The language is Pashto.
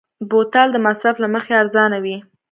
بوتل د مصرف له مخې ارزانه وي.